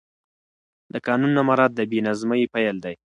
د قانون نه مراعت د بې نظمۍ پیل دی